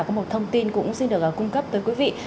có một thông tin cũng xin được cung cấp tới quý vị